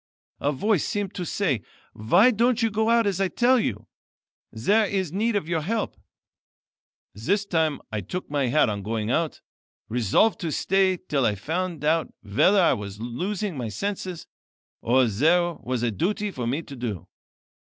A voice seemed to say: 'Why don't you go out as I tell you? There is need of your help.' This time I took my hat on going out, resolved to stay till I found out whether I was losing my senses, or there was a duty for me to do.